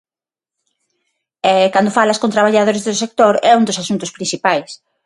E cando falas con traballadores do sector, é un dos asuntos principais.